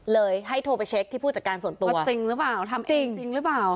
เลยให้โทรไปเช็คที่ผู้จัดการส่วนตัวว่าจริงหรือเปล่าทำจริงหรือเปล่า